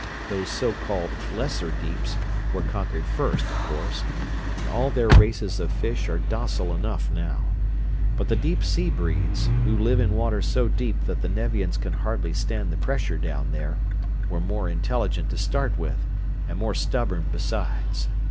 Those so called 'lesser deeps' were conquered first, of course, and all their races of fish are docile enough now. But the deep sea breeds, who live in water so deep that the Nevians can hardly stand the pressure down there, were more intelligent to start with, and more stubborn besides.